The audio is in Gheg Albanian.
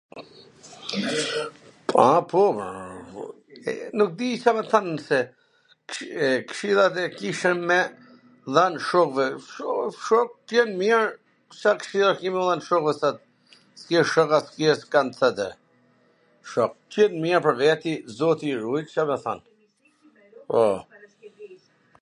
A, po. Nuk di Ca me t than se, kshi kshillat qw kisha me dhan shokve, po, shokt t jen mir, Ca kshilla qw me u dhan shokve, ... t jen mir pwr veti, zoti i rujt, Ca me than... Po